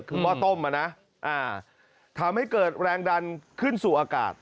คือหม้อต้มนะทำให้เกิดแรงดันขึ้นสู่อากาศ